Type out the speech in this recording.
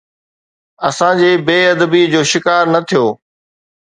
اسان جي بي ادبيءَ جو شڪار نه ٿيو.